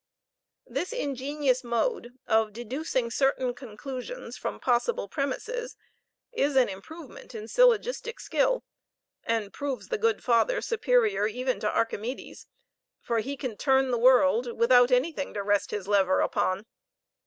This ingenious mode of deducing certain conclusions from possible premises is an improvement in syllogistic skill, and proves the good father superior even to Archimedes, for he can turn the world without anything to rest his lever upon.